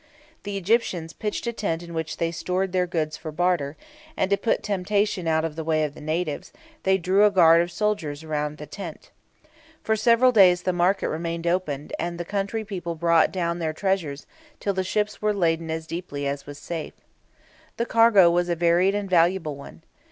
The Egyptians pitched a tent in which they stored their goods for barter, and to put temptation out of the way of the natives, they drew a guard of soldiers round the tent. For several days the market remained open, and the country people brought down their treasures, till the ships were laden as deeply as was safe. The cargo was a varied and valuable one.